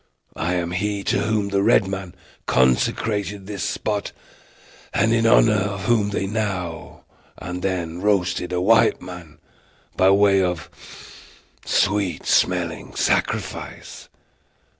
I am he to whom the red men consecrated this spot, and in honor of whom they now and then roasted a white man, by way of sweet smelling sacrifice.